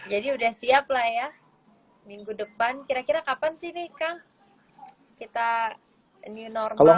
udah siap lah ya minggu depan kira kira kapan sih nih kang kita new normal